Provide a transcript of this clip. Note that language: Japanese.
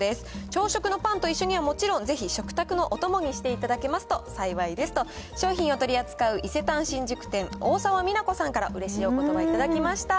朝食のパンと一緒にはもちろん、ぜひ食卓のお供にしていただきますと幸いですと、商品を取り扱う伊勢丹新宿店、大澤美奈子さんからうれしいおことば頂きました。